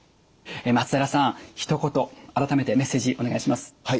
松平さんひと言改めてメッセージお願いします。